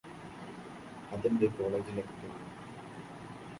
അതെന്റെ കോളേജിലേക്ക് പോവും